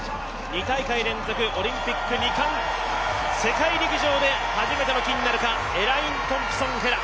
２大会連続オリンピック２冠、世界陸上で初めての金になるか、エライン・トンプソン・ヘラ。